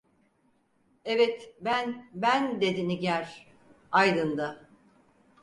Evet. Ben! Ben… dedi. Nigar… Aydın'da…